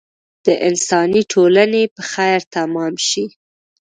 د انساني ټولنې په خیر تمام شي.